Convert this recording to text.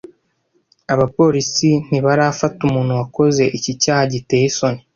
Abapolisi ntibarafata umuntu wakoze iki cyaha giteye isoni.